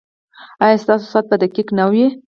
ایا ستاسو ساعت به دقیق نه وي؟